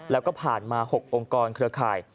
แล้วก็ผ่านมา๖องค์กรเครือข่าย